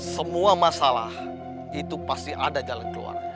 semua masalah itu pasti ada jalan keluar